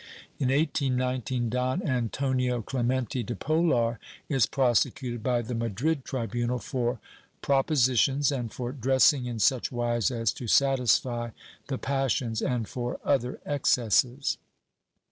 In 1819, Don Antonio Clemente de Polar is prosecuted by the Madrid tribunal for propo sitions and for dressing in such wise as to satisfy the passions and for other excesses.